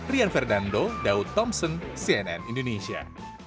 rian ferdando daud thompson cnn indonesia